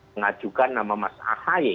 mengajukan nama mas ahy